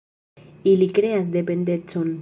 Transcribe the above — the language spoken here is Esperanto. Ili kreas dependecon.